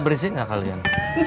bersih gak kalian